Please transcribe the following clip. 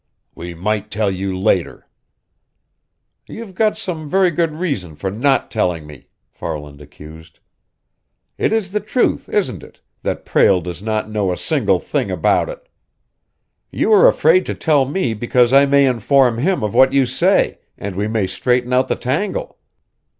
"We might tell you later." "You've got some very good reason for not telling me!" Farland accused. "It is the truth, isn't it, that Prale does not know a single thing about it. You are afraid to tell me because I may inform him of what you say, and we may straighten out the tangle?